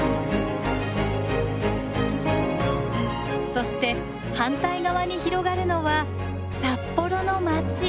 そして反対側に広がるのは札幌の街。